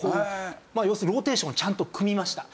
まあ要するにローテーションをちゃんと組みました。